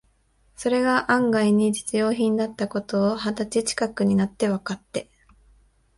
それが案外に実用品だった事を、二十歳ちかくになってわかって、